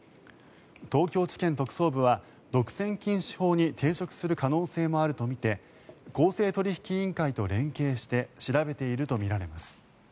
東京地検特捜部は独占禁止法に抵触する可能性もあるとみて公正取引委員会と連携して調べているとみられます。